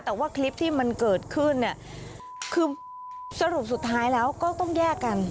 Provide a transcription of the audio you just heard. แต่ว่าคลิปที่มันเกิดขึ้นเนี่ยคือสรุปสุดท้ายแล้วก็ต้องแยกกัน